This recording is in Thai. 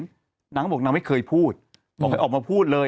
นางก็บอกนางไม่เคยพูดบอกให้ออกมาพูดเลย